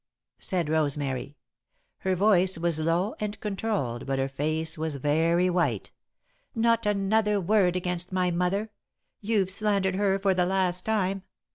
said Rosemary. Her voice was low and controlled, but her face was very white. "Not another word against my mother. You've slandered her for the last time.